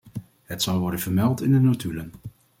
Het zal worden vermeld in de notulen.